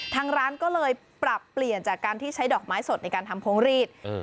ทางร้านก็เลยปรับเปลี่ยนจากการที่ใช้ดอกไม้สดในการทำโพงรีด